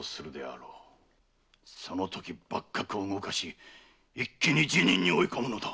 そのとき幕閣を動かし一気に辞任に追い込むのだ！